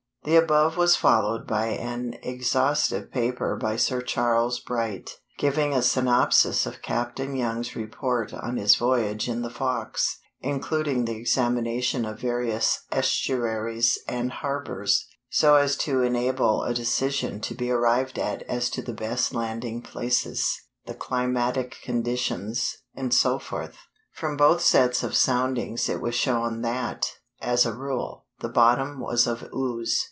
The above was followed by an exhaustive paper by Sir Charles Bright, giving a synopsis of Captain Young's report on his voyage in the Fox, including the examination of various estuaries and harbors, so as to enable a decision to be arrived at as to the best landing places, the climatic conditions, etc. From both sets of soundings it was shown that, as a rule, the bottom was of ooze.